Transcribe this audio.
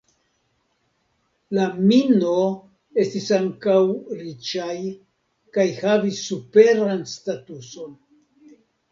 La "Mino" estis ankaŭ riĉaj kaj havis superan statuson.